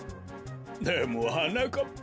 でもはなかっぱ。